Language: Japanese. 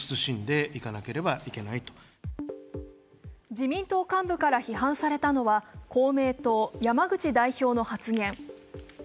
自民党幹部から批判されたのは公明党・山口代表の発言。